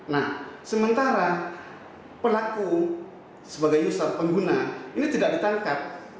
nah sementara pelaku sebagai user pengguna ini tidak ditangkap